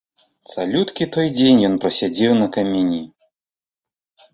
Цалюткі той дзень ён прасядзеў на камені.